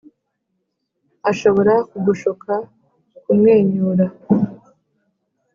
ashobora kugushuka kumwenyura